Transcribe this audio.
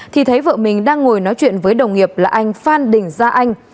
thì thấy vợ mình đang ngồi nói chuyện với đồng nghiệp là anh phan đình gia anh